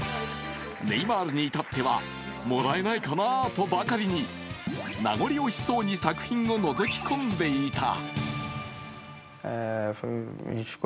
ネイマールに至っては、「もらえないかなぁ」とばかりに名残惜しそうに作品をのぞき込んでいた。